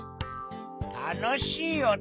たのしいおと？